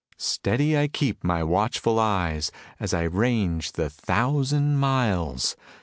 Steady I keep my watchful eyes, As I range the thousand miles.